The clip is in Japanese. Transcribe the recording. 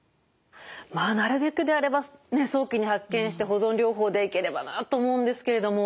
まあなるべくであれば早期に発見して保存療法でいければなと思うんですけれども。